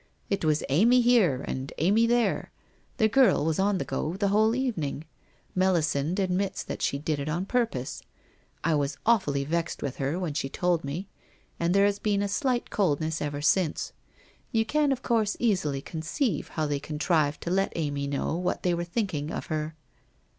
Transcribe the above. It was Amy here and Amy there! The girl was on the go the whole evening. Melisande admits that she did it on purpose. I was awfully vexed with her when she told me, and there has been a slight coldness ever since. You can, of course, easily conceive how they con trived to let Amy know what they were thinking of her?'